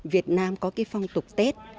việt nam có cái phong tục tết